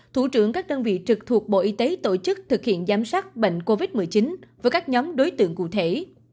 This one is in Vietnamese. thủ trưởng các đơn vị trực thuộc bộ y tế tổ chức thực hiện giám sát bệnh covid một mươi chín với các nhóm đối tượng cụ thể